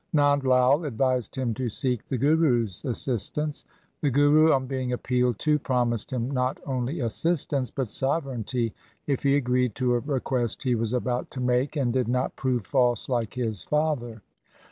Nand Lai advised him to seek the Guru's assistance. The Guru, on being appealed to, promised him not only assistance but sovereignty if he agreed to a request he was about to make, and did not prove false like his father.